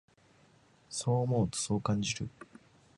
そう思うと、そう感じる。